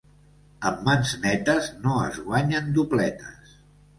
Amb mans netes no es guanyen dobletes.